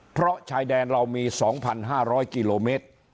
เพราะชายแดนเรามี๒๕๐๐กิโลเมตร